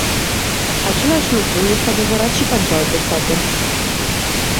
Același lucru este adevărat și pentru alte state.